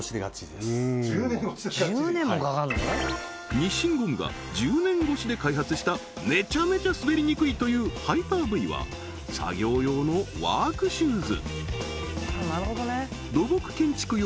日進ゴムが１０年越しで開発しためちゃめちゃ滑りにくいというハイパーＶは作業用のワークシューズ